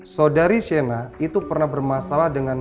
saudari shena itu pernah bermasalah dengan